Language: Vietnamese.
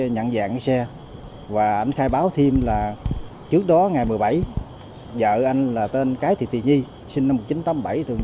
nhận dạng xe và anh khai báo thêm là trước đó ngày một mươi bảy vợ anh là tên cái thị tì nhi sinh năm một nghìn chín trăm tám mươi bảy thường